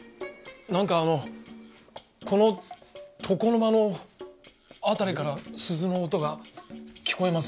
なんかあのこの床の間の辺りから鈴の音が聞こえますよね。